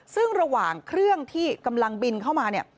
ซึ่งระหว่างเครื่องที่กำลังบินเข้ามาเนี่ย